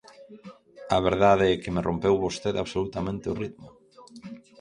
A verdade é que me rompeu vostede absolutamente o ritmo.